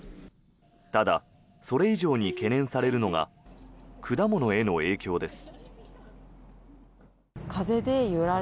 ただ、それ以上に懸念されるのが果物への影響です。